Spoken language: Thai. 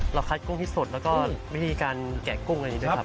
คัดกุ้งที่สดแล้วก็วิธีการแกะกุ้งอะไรอย่างนี้ด้วยครับ